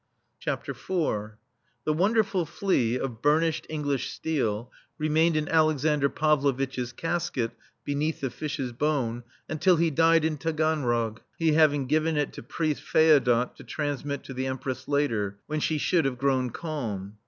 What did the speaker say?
IV The wonderful flea, of burnished Eng lish steel, remained in Alexander Pav lovitch's casket beneath the fish's bone until he died in Taganrog, he having given it to Priest Feodot to transmit to the Empress later, when she should have grown calm.